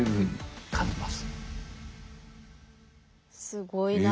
すごいな。